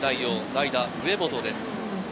代打・上本です。